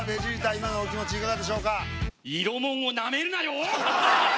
今のお気持ちいかがでしょうか？